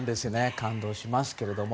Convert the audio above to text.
感動しますけれども。